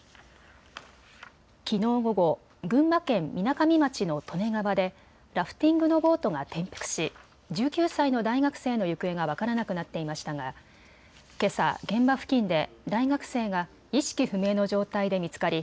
きのう午後、群馬県みなかみ町の利根川でラフティングのボートが転覆し１９歳の大学生の行方が分からなくなっていましたがけさ、現場付近で大学生が意識不明の状態で見つかり